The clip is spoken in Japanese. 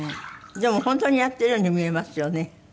でも本当にやってるように見えますよね。